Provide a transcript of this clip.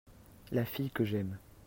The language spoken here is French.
La fille que j'aime.